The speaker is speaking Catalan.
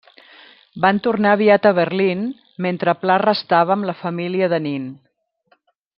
Van tornar aviat a Berlín, mentre Pla restava amb la família de Nin.